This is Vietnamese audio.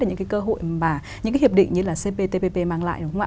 những cơ hội và những hiệp định như cptpp mang lại